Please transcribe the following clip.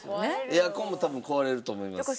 エアコンも多分壊れると思います。